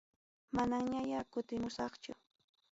Manamñaya kutimusaqchu.